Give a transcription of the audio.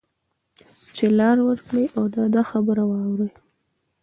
چې لار ورکړی او د ده خبره واوري